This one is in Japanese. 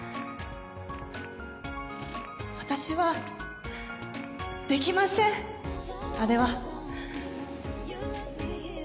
私はできませんあれは。